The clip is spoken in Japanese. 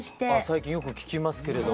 最近よく聞きますけれども。